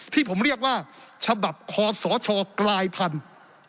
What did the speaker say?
ที่ผมเรียกว่าฉบับคอสชกลายพันธุ์